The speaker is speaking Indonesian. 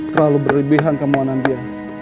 terlalu berlebihan kamu anandya